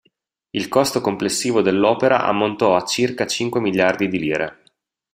Il costo complessivo dell'opera ammontò a circa cinque miliardi di lire.